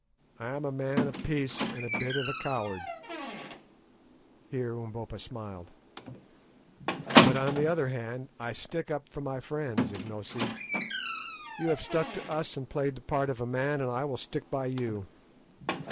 I am a man of peace and a bit of a coward"—here Umbopa smiled—"but, on the other hand, I stick up for my friends, Ignosi. You have stuck to us and played the part of a man, and I will stick by you.